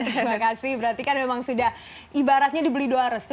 terima kasih berarti kan memang sudah ibaratnya dibeli doa restu